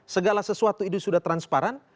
segala sesuatu itu sudah transparan